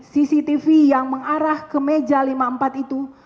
cctv yang mengarah ke meja lima puluh empat itu